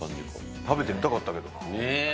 食べてみたかったけどな。